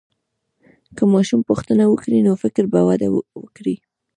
که ماشوم پوښتنه وکړي، نو فکر به وده وکړي.